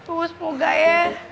oh semoga ya